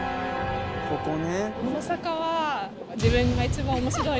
ここね。